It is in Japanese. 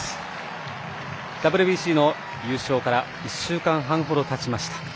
ＷＢＣの優勝から１週間半ほどたちました。